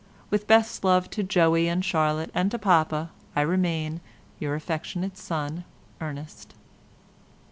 With best love to Joey and Charlotte, and to Papa, I remain, your affectionate son, ERNEST."